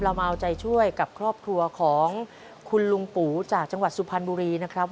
มาเอาใจช่วยกับครอบครัวของคุณลุงปู่จากจังหวัดสุพรรณบุรีนะครับ